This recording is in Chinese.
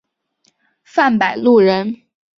范百禄人。